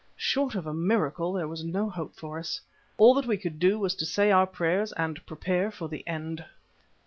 Short of a miracle, there was no hope for us. All that we could do was to say our prayers and prepare for the end.